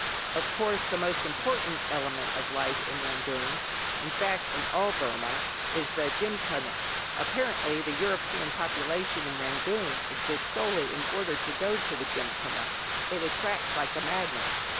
Of course the most important element of life in Rangoon, in fact in all Burmah, is the Gymkhana. Apparently, the European population in Rangoon exists solely in order to go to the Gymkhana. It attracts like a magnet.